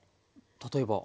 例えば？